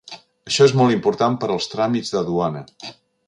Això és molt important per als tràmits de duana.